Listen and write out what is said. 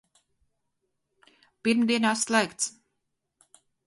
Pirmdienās slēgts!